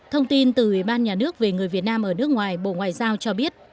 thông tin từ ủy ban nhà nước về người việt nam ở nước ngoài bộ ngoại giao cho biết